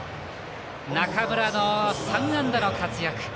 中村の３安打の活躍。